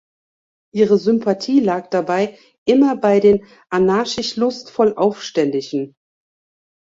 Ihre Sympathie lag dabei immer bei den anarchisch-lustvoll Aufständischen.